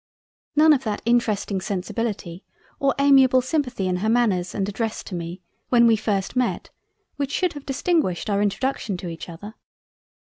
None of that interesting Sensibility or amiable simpathy in her manners and Address to me when we first met which should have distinguished our introduction to each other.